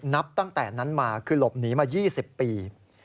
นับตั้งแต่นั้นมาคือหลบหนีมา๒๐ปี